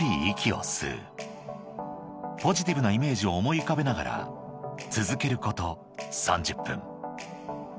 ［ポジティブなイメージを思い浮かべながら続けること３０分］